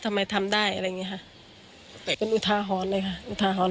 ทำไมทำได้อะไรอย่างเงี้ค่ะแต่เป็นอุทาหรณ์เลยค่ะอุทาหรณ